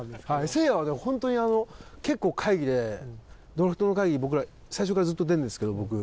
誠也は本当に結構会議でドラフトの会議僕ら最初からずっと出るんですけど僕。